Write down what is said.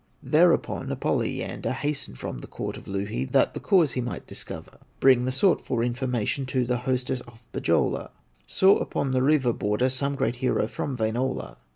Thereupon a Pohyalander Hastened from the court of Louhi, That the cause he might discover, Bring the sought for information To the hostess of Pohyola; Saw upon the river border Some great hero from Wainola.